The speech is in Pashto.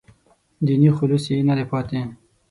دیني خلوص یې نه دی پاتې.